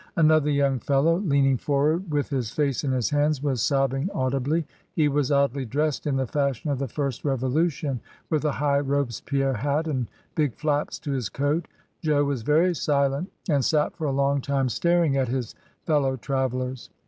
Another young fellow, leaning forward with his face in his hands, was sobbing audibly, he was oddly dressed in the fashion of the first Revolution, with a high Robespierre hat, and big flaps to his coat. Jo was very silent, and sat for a long time staring at his fellow travellers.